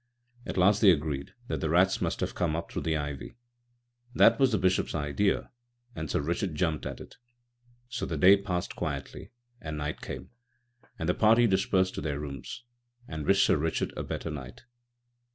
At last they agreed that the rats must have come up through the ivy. That was the Bishop's idea, and Sir Richard jumped at it. So the day passed quietly, and night came, and the party dispersed to their rooms, and wished Sir Richard a better night.